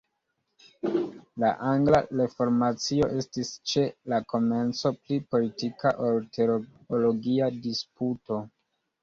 La angla reformacio estis ĉe la komenco pli politika ol teologia disputo.